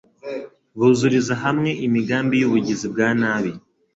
Buzuriza hamwe imigambi y’ubugizi bwa nabi